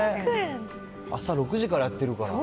朝６時からやってるから。